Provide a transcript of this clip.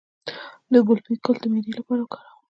د ګلپي ګل د معدې لپاره وکاروئ